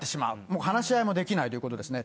もう話し合いもできないということですね。